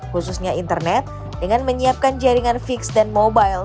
khususnya internet dengan menyiapkan jaringan fix dan mobile